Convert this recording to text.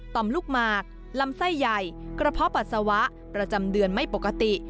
มลูกหมากลำไส้ใหญ่กระเพาะปัสสาวะประจำเดือนไม่ปกติ